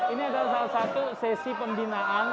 ini adalah salah satu sesi pembinaan